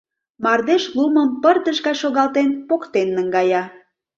Мардеж лумым, пырдыж гай шогалтен, поктен наҥгая.